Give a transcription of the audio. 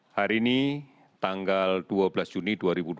hari ini tanggal dua belas juni dua ribu dua puluh